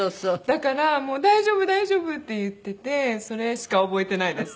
だからもう「大丈夫？大丈夫？」って言っててそれしか覚えてないです。